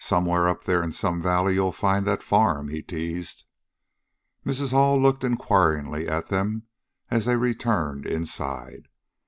"Somewhere up there in some valley you'll find that farm," he teased. Mrs. Hall looked inquiringly at them as they returned inside.